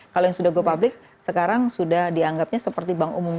kalau yang sudah go public sekarang sudah dianggapnya seperti bank umum